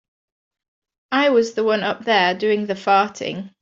I was the one up there doing the farting.